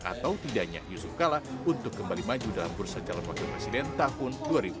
atau tidaknya yusuf kala untuk kembali maju dalam bursa calon wakil presiden tahun dua ribu dua puluh